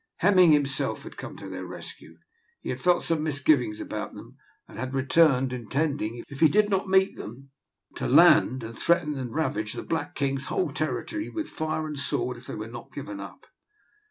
Hemming himself had come to their rescue. He had felt some misgivings about them, and had returned, intending, if he did not meet them, to land and threaten to ravage the black king's whole territory with fire and sword if they were not given up.